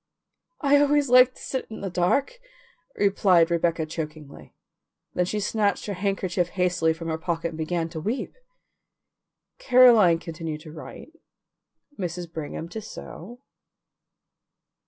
"I always like to sit in the dark," replied Rebecca chokingly. Then she snatched her handkerchief hastily from her pocket and began to weep. Caroline continued to write, Mrs. Brigham to sew.